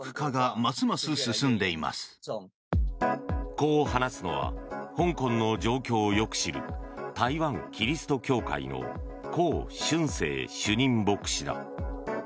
こう話すのは香港の状況をよく知る台湾キリスト教会のコウ・シュンセイ主任牧師だ。